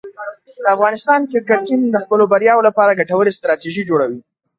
د افغانستان کرکټ ټیم د خپلو بریاوو لپاره ګټورې ستراتیژۍ جوړوي.